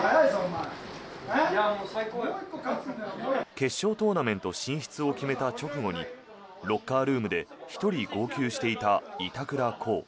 決勝トーナメント進出を決めた直後にロッカールームで１人号泣していた板倉滉。